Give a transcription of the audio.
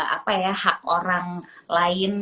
apa ya hak orang lain